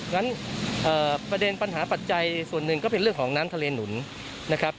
งั้นประเด็นปัญหาปัจจัยส่วนหนึ่งก็เป็นเรื่องของน้ำทะเลหนุนนะครับ